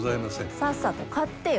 さっさと買ってよ。